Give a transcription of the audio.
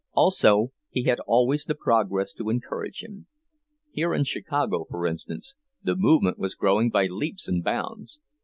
Also he had always the progress to encourage him; here in Chicago, for instance, the movement was growing by leaps and bounds.